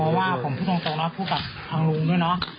เพราะว่าผมพูดตรงนะพูดกับทางลุงด้วยเนาะ